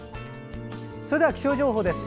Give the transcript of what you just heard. それでは気象情報です。